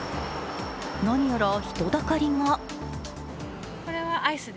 何やら人だかりが。